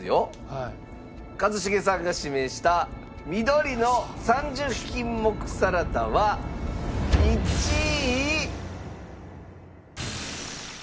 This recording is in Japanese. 一茂さんが指名した緑の３０品目サラダは１位。